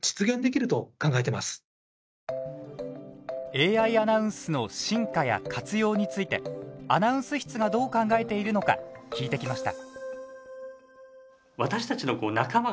ＡＩアナウンスの進化や活用について、アナウンス室がどう考えているのか聞いてきました。